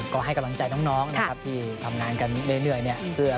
ก็ให้กำลังใจทุกน้องที่ทำงานกันเรื่อย